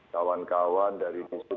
kawan kawan dari disitu